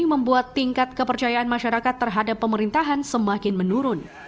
membuat tingkat kepercayaan masyarakat terhadap pemerintahan semakin menurun